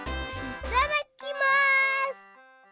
いただきます！